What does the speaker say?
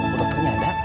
bu dokternya ada